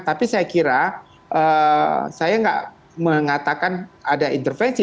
tapi saya kira saya nggak mengatakan ada intervensi